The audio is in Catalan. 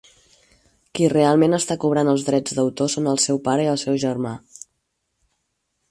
Qui realment està cobrant els drets d'autor són el seu pare i el seu germà.